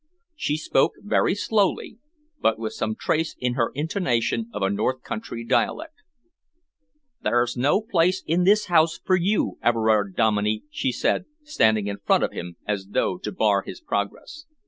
She spoke very slowly, but with some trace in her intonation of a north country dialect. "There's no place in this house for you, Everard Dominey," she said, standing in front of him as though to bar his progress.